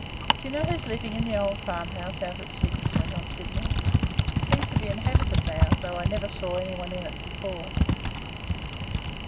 "Do you know who 's living in the old farm house out at Six?" went on Sydney. "Seems to be inhabited now, though I never saw any one in it before."